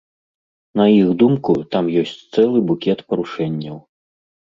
На іх думку, там ёсць цэлы букет парушэнняў.